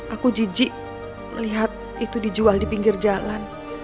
aku jijik melihat itu dijual di pinggir jalan